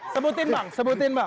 sebutin bang sebutin bang